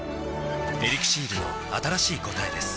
「エリクシール」の新しい答えです